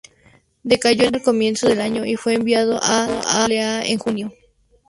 Decayó en el comienzo del año y fue enviado a Triple-A en junio.